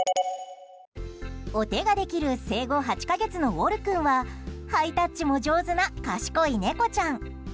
お手ができる生後８か月のウォル君はハイタッチも上手な賢い猫ちゃん。